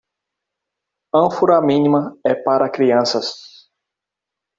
Ânfora mínima é para crianças.